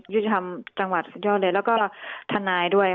ยุติธรรมจังหวัดยอดเลยแล้วก็ทนายด้วย